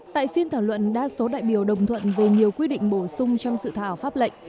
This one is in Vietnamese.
tại phiên thảo luận đa số đại biểu đồng thuận về nhiều quy định bổ sung trong sự thảo pháp lệnh